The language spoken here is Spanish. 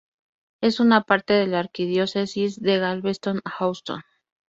Es una parte de la Arquidiócesis de Galveston-Houston.